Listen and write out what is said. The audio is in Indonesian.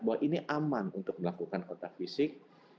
bahwa ini aman untuk melakukan kontak fisik